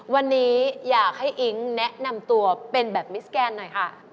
วันนี้อยากให้อิ๊งแนะนำตัวเป็นแบบมิสแกนหน่อยค่ะ